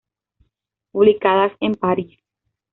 Publicadas en París.